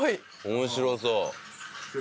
面白そう。